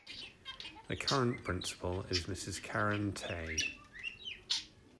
The current principal is Mrs Karen Tay.